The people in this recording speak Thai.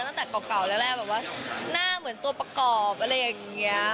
ตั้งแต่เก่าแล้วแหละแบบว่าหน้าเหมือนตัวประกอบอะไรอย่างนี้